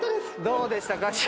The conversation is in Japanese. どうでしたか？